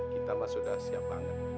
kita mah sudah siap banget